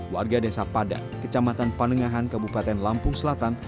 warga desa padat kecamatan panengahan kabupaten lampung selatan